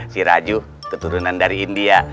si raju keturunan dari india